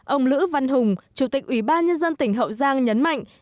ông lữ văn hùng chủ tịch ủy ban nhân dân tỉnh hậu giang nhấn mạnh